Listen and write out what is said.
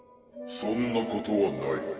「そんなことはない」